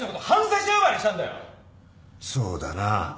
そうだな。